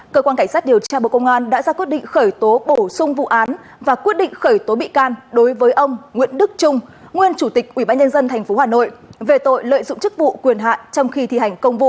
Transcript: cơ quan cảnh sát điều tra bộ công an đã ra quyết định khởi tố bổ sung vụ án và quyết định khởi tố bị can đối với ông nguyễn đức trung nguyên chủ tịch ủy ban nhân dân tp hà nội về tội lợi dụng chức vụ quyền hạn trong khi thi hành công vụ